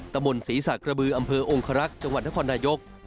ตะบนศรีษะกระบืออำเภอองครักษ์จังหวัดนครนายก